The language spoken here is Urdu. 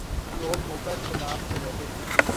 لوگ موقع کی تلاش میں رہتے ہیں۔